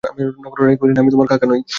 নক্ষত্ররায় কহিলেন, আমি তোমার কাকা নই।